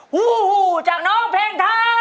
หูจากน้องเพลงไทย